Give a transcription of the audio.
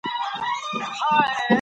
خپلواکې د زده کړې له لارې چمتو کیږي.